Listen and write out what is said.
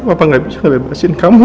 papa gak bisa melepaskan kamu